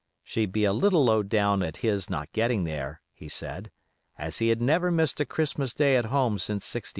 She'd be a little low down at his not getting there, he said, as he had never missed a Christmas day at home since '64.